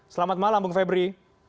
selamat malam bang febri